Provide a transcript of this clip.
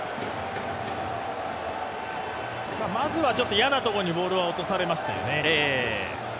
まずは嫌なとこにボールは落とされましたよね。